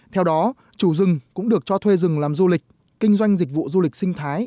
theo đó chủ rừng cũng được cho thuê rừng làm du lịch kinh doanh dịch vụ du lịch sinh thái